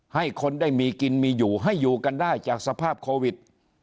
ให้คนได้มีกินมีอยู่ให้อยู่กันได้จากสภาพโควิด